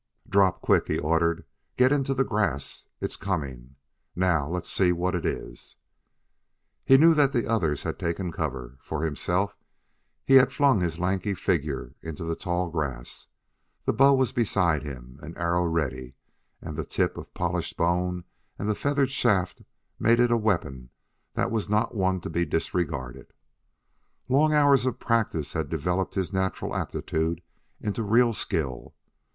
"Drop quick!" he ordered. "Get into the grass. It's coming. Now let's see what it is." He knew that the others had taken cover. For himself, he had flung his lanky figure into the tall grass. The bow was beside him, an arrow ready; and the tip of polished bone and the feathered shaft made it a weapon that was not one to be disregarded. Long hours of practice had developed his natural aptitude into real skill.